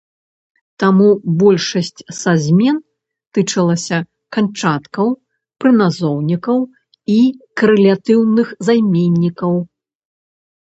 Таму большасць са змен тычыліся канчаткаў, прыназоўнікаў і карэлятыўных займеннікаў.